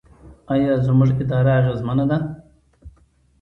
آیا زموږ اداره اغیزمنه ده؟